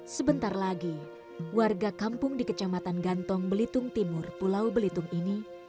sebentar lagi warga kampung di kecamatan gantong belitung timur pulau belitung ini